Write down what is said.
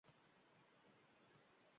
Ko'kragimda og'riq bor.